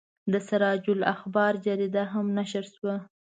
د سراج الاخبار جریده هم نشر شوه.